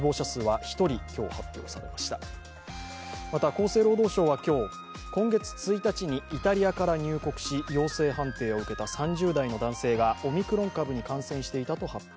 厚生労働省は今日、今月１日にイタリアから入国し、陽性判定を受けた３０代の男性がオミクロン株に感染していたと発表。